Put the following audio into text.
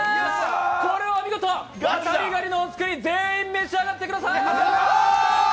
これは見事、わたりがにのお造り全員召し上がってください！